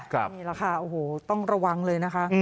นี่แหละค่ะโอ้โหต้องระวังเลยนะคะ